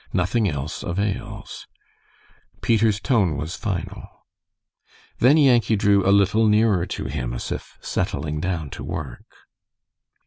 Nothing else avails." Peter's tone was final. Then Yankee drew a little nearer to him, as if settling down to work.